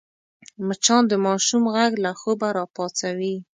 مچان د ماشوم غږ له خوبه راپاڅوي